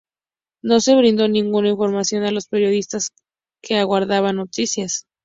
No se brindó ninguna información a los periodistas que aguardaban noticias.